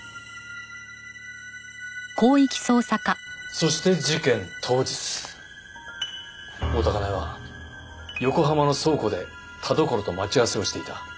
そして事件当日大多香苗は横浜の倉庫で田所と待ち合わせをしていた。